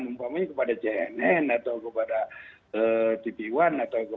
mumpamanya kepada jnn atau kepada tv one